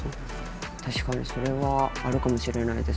確かにそれはあるかもしれないです。